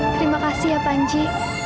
terima kasih ya panji